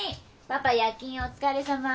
パパ夜勤お疲れさま。